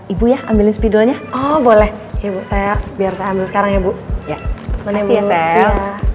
ibu ya ambilin spidolnya oh boleh ibu saya biar saya ambil sekarang ya bu ya makasih ya